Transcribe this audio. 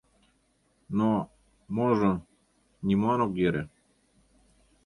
Но... можо... нимолан ок йӧрӧ...»